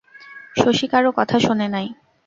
শশী কারো কথা শোনে নাই।